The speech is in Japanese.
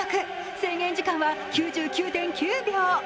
制限時間は９９．９秒。